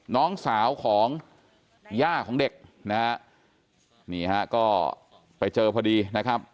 น้องสาวของย่าของเด็กนะฮะนี่ฮะก็ไปเจอพอดีนะครับ